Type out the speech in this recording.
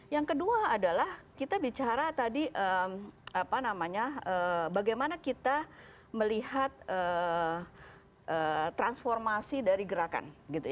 yang kedua adalah kita bicara tadi bagaimana kita melihat transformasi dari gerakan